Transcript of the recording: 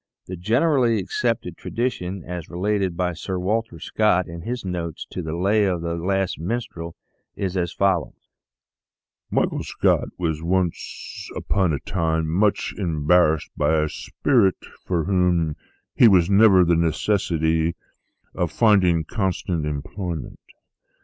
The generally accepted tradition, as related by Sir Walter Scott in his notes to the " Lay of the Last Minstrel," is as follows :" Michael Scott was, once upon a time, much embar rassed by a spirit for whom he was under the necessity of finding constant employment.